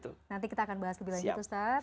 nanti kita akan bahas lebih lanjut ustadz